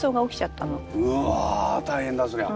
うわ大変だそりゃ。